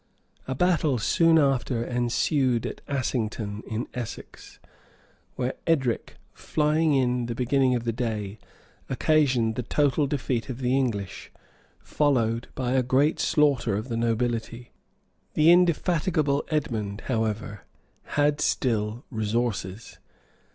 A battle soon after ensued at Assington, in Essex; where Edric, flying in the beginning of the day, occasioned the total defeat of the English, followed by a great slaughter of the nobility. The indefatigable Edmond, however, had still resources.